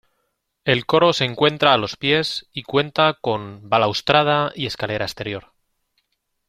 El coro se encuentra a los pies y cuenta con balaustrada y escalera exterior.